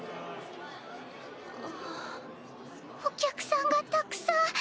お客さんがたくさん。